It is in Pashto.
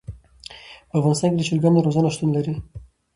په افغانستان کې د چرګانو روزنه شتون لري.